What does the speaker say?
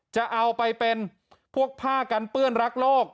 จะเอาไปเป็นพวกผ้ากันเปื้อนรักโลก